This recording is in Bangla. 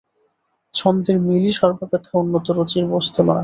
ছন্দের মিলই সর্বাপেক্ষা উন্নত রুচির বস্তু নয়।